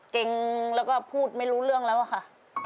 เก่งแล้วก็พูดไม่รู้เรื่องแล้วอะค่ะ